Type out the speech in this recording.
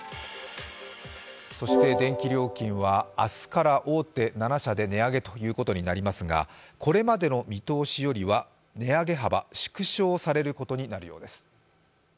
そして電気料金は明日から大手７社で値上げということになりますが、これまでの見通しよりは値上げ幅、縮小されることになるようです。